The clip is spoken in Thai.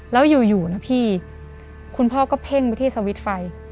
แล้วอยู่นะพี่คุณพ่อก็เพ่งไปที่สวิตช์ไฟ